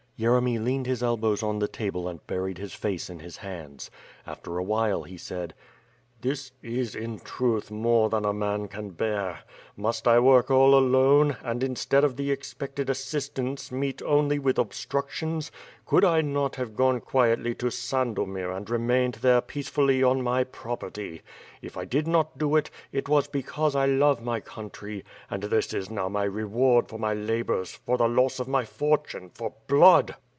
Yeremy leaned his elbows on the table and buried his face in his hands. After a while he said: "This is, in truth, more than a man can bear. Must I work all alone and, instead of the expected assistance, meet only with obstructions. Could I not have gone quietly to San* domir and remained there peacefully on my property. If I did not do it, it was because I love my country; and this is now my reward for my labors, for the loss of my fortune, for blood